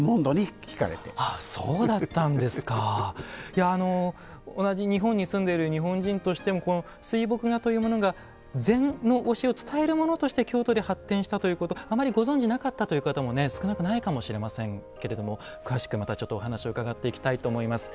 いや同じ日本に住んでいる日本人としても水墨画というものが禅の教えを伝えるものとして京都で発展したということあまりご存じなかったという方も少なくないかもしれませんけれども詳しくまたちょっとお話を伺っていきたいと思います。